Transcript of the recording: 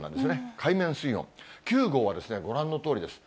海面水温、９号はご覧のとおりです。